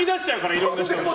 いろんな人が。